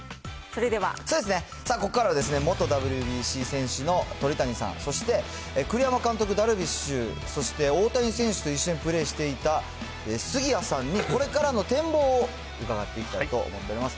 ここからはですね、元ＷＢＣ選手の鳥谷さん、そして栗山監督、ダルビッシュ、そして大谷選手と一緒にプレーしていた、杉谷さんに、これからの展望を伺っていきたいと思っております。